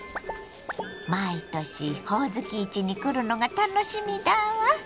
毎年ほおずき市に来るのが楽しみだわ。